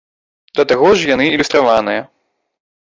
Да таго ж яны ілюстраваныя.